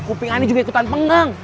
kufing ana juga ikutan pengang